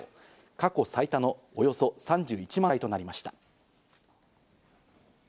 過去最多のおよそ３１万台となりました。